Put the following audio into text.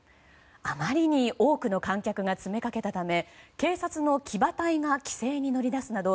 あまりに多くの観客が詰めかけたため警察の騎馬隊が規制に乗り出すなど